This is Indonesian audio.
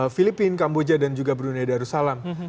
filipina kamboja dan juga brunei neda rusalam